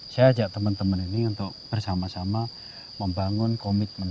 saya ajak teman teman ini untuk bersama sama membangun komitmen